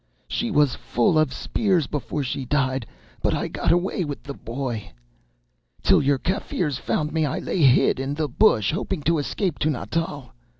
She was full of spears before she died, but I got away with the boy. Till your Kaffirs found me I lay hid in the bush, hoping to escape to Natal.